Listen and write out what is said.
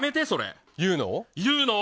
言うのを？